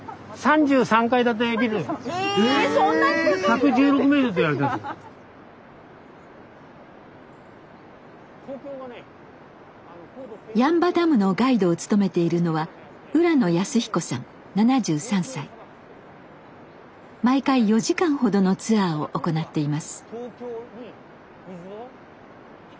八ッ場ダムのガイドを務めているのは毎回４時間ほどのツアーを行っています。